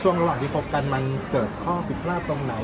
ระหว่างที่คบกันมันเกิดข้อผิดพลาดตรงไหน